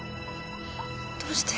どうして？